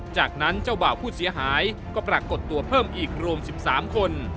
จากนั้นเจ้าบ่าวผู้เสียหายก็ปรากฏตัวเพิ่มอีกรวม๑๓คน